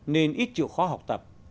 nên ít chịu khó học tập